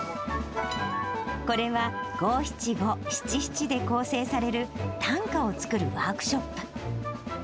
これは、五七五七七で構成される短歌を作るワークショップ。